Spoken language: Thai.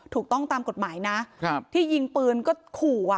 ถูกต้องตามกฎหมายนะที่ยิงปืนก็ขู่อ่ะ